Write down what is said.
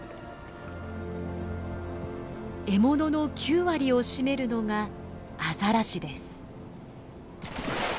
獲物の９割を占めるのがアザラシです。